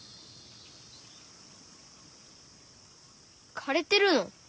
かれてるの？